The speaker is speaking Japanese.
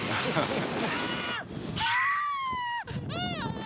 ハハハハ！